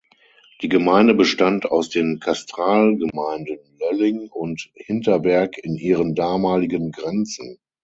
Die Gemeinde bestand aus den Katastralgemeinden Lölling und Hinterberg in ihren damaligen Grenzen.